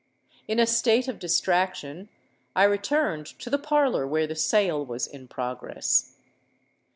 In a state of distraction I returned to the parlour where the sale was in progress.